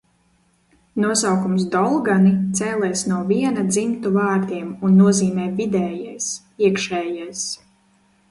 "Nosaukums "dolgani" cēlies no viena no dzimtu vārdiem un nozīmē "vidējais", "iekšējais"."